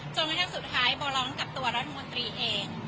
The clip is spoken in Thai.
จนกระทั่งสุดท้ายโบร้องกับตัวรัฐมนตรีเอง